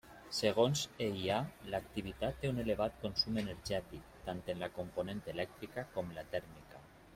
Segons EIA, l'activitat té un elevat consum energètic, tant en la component elèctrica com la tèrmica.